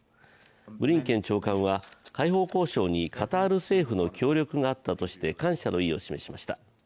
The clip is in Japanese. ブリンケン長官は解放交渉にカタール政府の協力があったとして感謝の意を示しました。